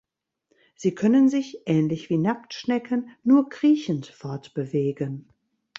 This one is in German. Sie können sich, ähnlich wie Nacktschnecken, nur kriechend fortbewegen.